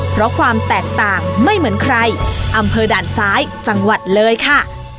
เพราะความแตกต่างไม่เหมือนใครอำเภอด่านซ้ายจังหวัดเลยค่ะ